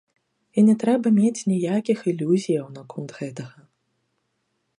І не трэба мець ніякіх ілюзіяў наконт гэтага.